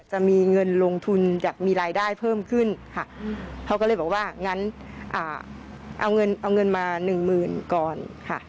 จะมีเงินลงทุนอยากมีรายได้เพิ่มขึ้นค่ะเภาก็เลยบอกว่างั้นเอาเงินมา๑๐๐๐๐ก่อนค่ะ